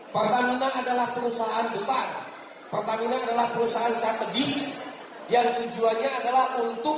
pertamina adalah perusahaan besar pertamina adalah perusahaan strategis yang tujuannya adalah untuk